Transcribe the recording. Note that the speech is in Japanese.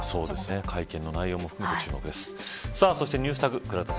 会見の内容も含めて注目です。